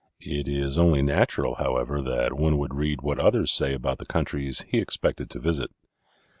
It is only natural, however, that one would read what others say about the countries he expected to visit.